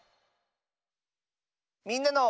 「みんなの」。